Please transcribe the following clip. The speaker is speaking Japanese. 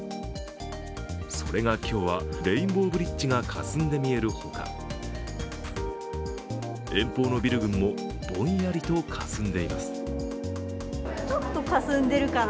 それが今日は、レインボーブリッジがかすんで見えるほか遠方のビル群もぼんやりとかすんでいます。